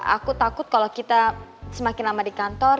aku takut kalau kita semakin lama di kantor